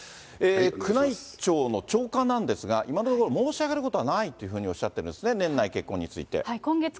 宮内庁の長官なんですが、今のところ申し上げることはないというふうにおっしゃってるんですね。